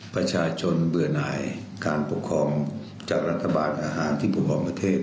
ประชาชนเบื่อหน่ายการปกครองจากรัฐบาลอาหารที่ปกครองประเทศ